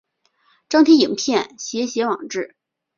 张贴影片写写网志